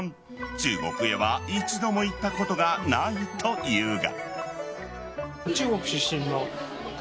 中国へは一度も行ったことがないというが。